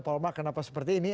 paul mark kenapa seperti ini